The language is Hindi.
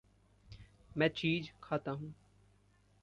मैं चीज़ खाता हूँ।